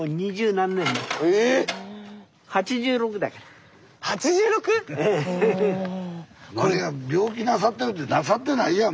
何が病気なさってるってなさってないやん